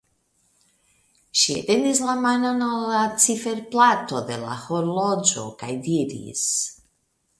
Ŝi etendis la manon al la ciferplato de la horloĝo kaj diris.